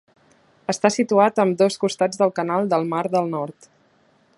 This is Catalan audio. Està situat a ambdós costats del Canal del mar del nord.